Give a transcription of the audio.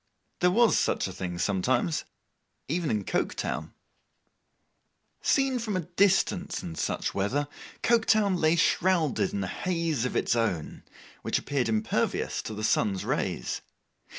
There was such a thing sometimes, even in Coketown. Seen from a distance in such weather, Coketown lay shrouded in a haze of its own, which appeared impervious to the sun's rays.